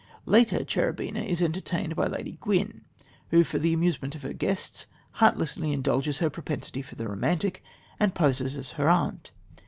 Later, Cherubina is entertained by Lady Gwyn, who, for the amusement of her guests, heartlessly indulges her propensity for the romantic, and poses as her aunt.